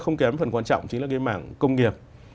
không kém phần quan trọng chính là cái mảng công nghiệp